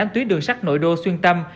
tám tuyến đường sắt nội đô xuyên tâm